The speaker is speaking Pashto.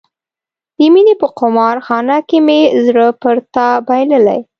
د مینې په قمار خانه کې مې زړه پر تا بایللی.